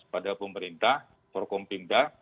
pada pemerintah prokompimda